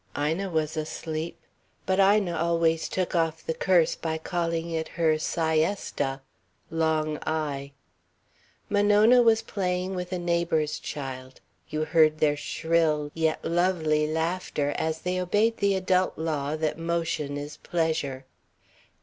Ina was asleep. (But Ina always took off the curse by calling it her "si esta," long i.) Monona was playing with a neighbour's child you heard their shrill yet lovely laughter as they obeyed the adult law that motion is pleasure.